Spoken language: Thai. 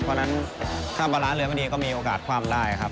เพราะฉะนั้นถ้ามาร้านเรือไม่ดีก็มีโอกาสคว่ำได้ครับ